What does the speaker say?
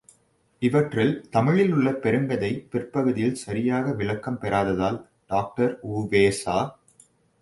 இவற்றில் தமிழிலுள்ள பெருங்கதை பிற்பகுதியில் சரியாக விளக்கம் பெறாததால் டாக்டர் உ.வே.சா.